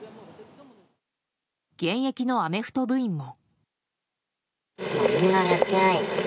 現役のアメフト部員も。